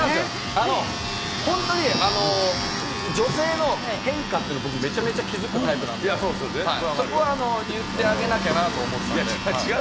本当に、女性の変化ってのは僕めちゃめちゃ気付くタイプなので、そこは言ってあげなきゃなと思ってたので。